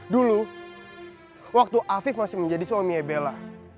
dulu waktu afif masih menjadi suaminya bella